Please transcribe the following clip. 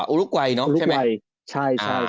อุรกวัยใช่ไหม